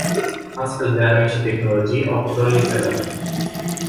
Astfel de arme și tehnologii au proliferat.